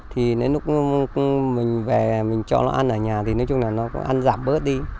thì về mình cho nó ăn ở nhà thì nói chung là nó ăn giảm bớt đi